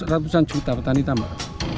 ratusan juta petani tambah